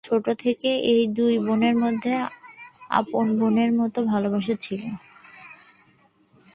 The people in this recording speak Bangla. ছোট থেকেই এই দুই বোনের মধ্যে আপন বোনের মতো ভালোবাসা ছিল।